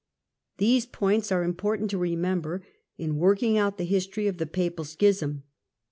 These points are important to remember in working out the history of the Papal Schism.